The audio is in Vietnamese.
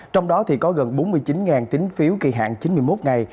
trong đó có gần bốn mươi chín tính phiếu kỳ hạn chín mươi một ngày